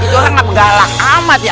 itu orang gak bergalak amat ya